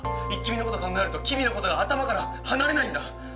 「イッキ見！」のこと考えるとキミのことが頭から離れないんだ！